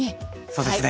そうですね。